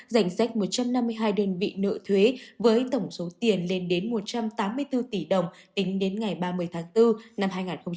đơn vị nợ thuế với tổng số tiền lên đến một trăm tám mươi bốn tỷ đồng tính đến ngày ba mươi tháng bốn năm hai nghìn một mươi sáu